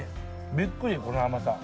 びっくりこの甘さ。